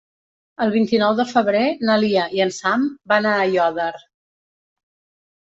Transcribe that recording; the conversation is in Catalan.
El vint-i-nou de febrer na Lia i en Sam van a Aiòder.